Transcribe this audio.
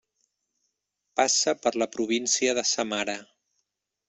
Passa per la província de Samara.